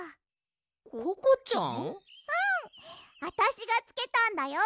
うんあたしがつけたんだよ。